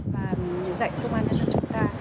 và dạy công an nhân dân chúng ta